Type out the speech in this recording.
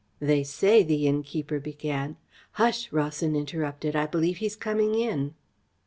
"They say," the innkeeper began "Hush!" Rawson interrupted. "I believe he's coming in."